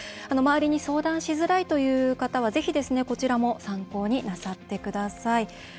周りに相談しづらいという方はぜひ、こちらも参考になさってください。